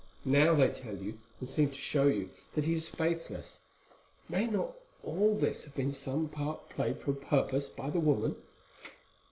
Now they tell you, and seem to show you, that he is faithless. May not all this have been some part played for a purpose by the woman?"